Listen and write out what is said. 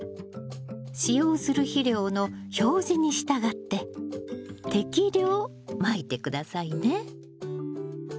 使用する肥料の表示に従って適量まいて下さいね。